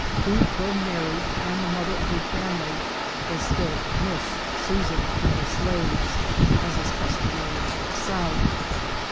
i who, though married and the mother of a iamily, was still " Miss Susan " to her slaves, as is customary at the South.